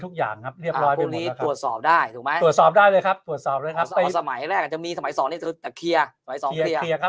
ทุกอย่างครับเรียบร้อยตรวจสอบได้สมัยแรกจะมีสมัยสองนี้จะ